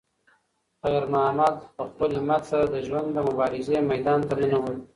خیر محمد په خپل همت سره د ژوند د مبارزې میدان ته ننووت.